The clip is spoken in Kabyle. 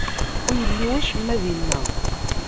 Ur yelli wacemma dinna.